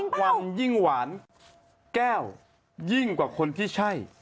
วังยิ่งหวานแก้วยิ่งกว่าคนที่ใช่